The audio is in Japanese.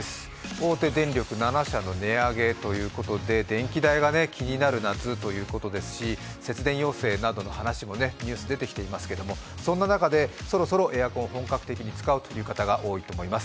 大手電力７社の値上げということで電気代が気になる夏ということですし、節電要請などの話もニュース、出てきてますけれどもそんな中でそろそろエアコンを本格的に使うという方が多いと思います。